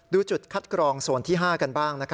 ดูจุดคัดกรองโซนที่๕กันบ้าง